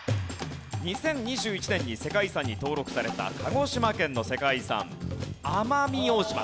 ２０２１年に世界遺産に登録された鹿児島県の世界遺産あま美大島。